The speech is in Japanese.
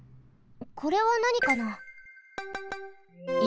これはなにかな？